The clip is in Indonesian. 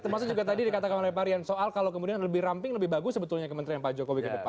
termasuk juga tadi dikatakan oleh pak rian soal kalau kemudian lebih ramping lebih bagus sebetulnya kementerian pak jokowi ke depan